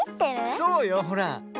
そうよほら。